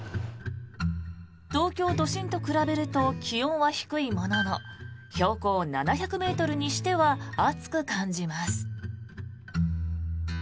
東京都心と比べると気温は低いものの標高７００ｍにしては暑く感じます。